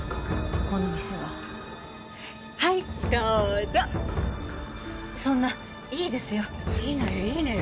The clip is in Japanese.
この店ははいどうぞそんないいですよいいのよいいのよ